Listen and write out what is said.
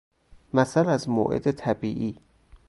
مثل از موعد طبیعی